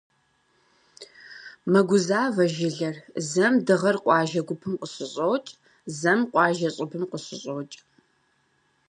Мэгузавэ жылэр: зэм дыгъэр къуажэ гупэм къыщыщӀокӀ, зэм къуажэ щӀыбым къыщыщӀокӀ.